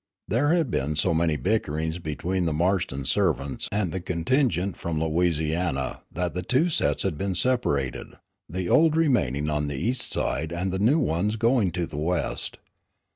There had been so many bickerings between the Marston servants and the contingent from Louisiana that the two sets had been separated, the old remaining on the east side and the new ones going to the west.